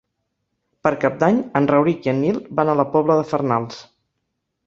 Per Cap d'Any en Rauric i en Nil van a la Pobla de Farnals.